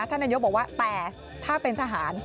ท่านนายกบอกว่าแต่ถ้าเป็นทหาร